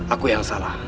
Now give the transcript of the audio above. aku yang salah